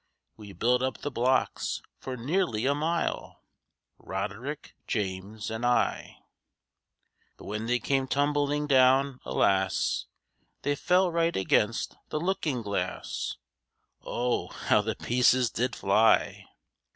We built up the blocks for nearly a mile,— Roderick, James and I. But when they came tumbling down, alas! They fell right against the looking glass,— Oh! how the pieces did fly!